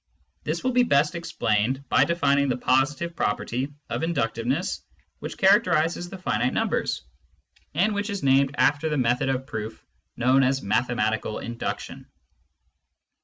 This will be best explained by defining the positive property of inductive ness which characterises the finite numbers, and which is named after the method of proof known as " mathe matical induction."